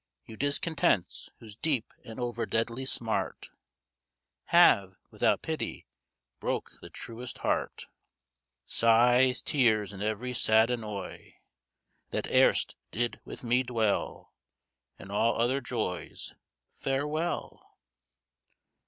You discontents, whose deep and over deadly smart Have, without pity, broke the truest heart. Sighs, tears, and every sad annoy, That erst did with me dwell, And all other joys, Farewell!